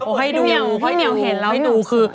โอ้ให้ดูให้ดูให้ดูคือ